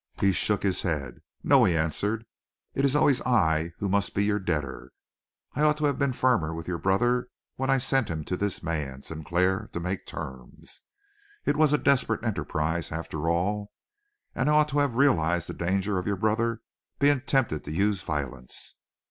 He shook his head. "No!" he answered. "It is always I who must be your debtor. I ought to have been firmer with your brother when I sent him to this man Sinclair to make terms. It was a desperate enterprise, after all, and I ought to have realized the danger of your brother being tempted to use violence.